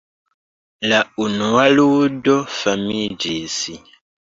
La unua ludo famiĝis.